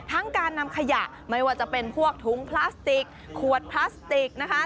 การนำขยะไม่ว่าจะเป็นพวกถุงพลาสติกขวดพลาสติกนะคะ